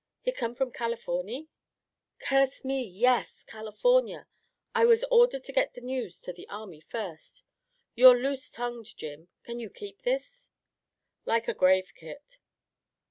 "Hit" come from Californy?" "Curse me, yes, California! I was ordered to get the news to the Army first. You're loose tongued, Jim. Can you keep this?" "Like a grave, Kit."